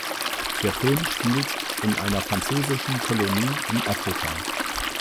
Der Film spielt in einer französischen Kolonie in Afrika.